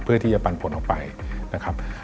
ที่จะปันผลออกไปนะครับ